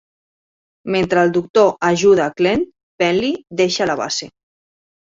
Mentre el Doctor ajuda Clent, Penley deixa la base.